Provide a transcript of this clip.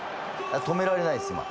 止められないっす今。